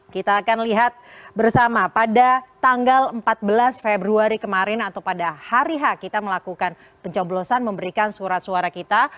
kita akan lihat bersama pada tanggal empat belas februari kemarin atau pada hari h kita melakukan pencoblosan memberikan surat suara kita